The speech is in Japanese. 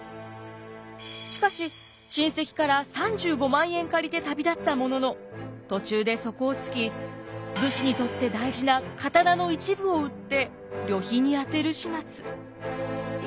しかし親戚から３５万円借りて旅立ったものの途中で底をつき武士にとって大事な刀の一部を売って旅費に充てる始末。